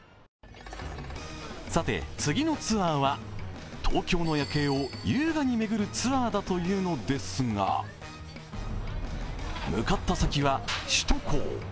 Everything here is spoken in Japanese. さて次のツアーは東京の夜景を優雅に巡るツアーだというのですが向かった先は、首都高。